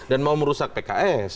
dan mau merusak pks